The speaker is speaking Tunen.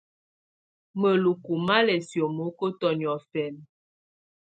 Mǝlukú má lɛ́ siomokotɔ niɔ̀fɛna.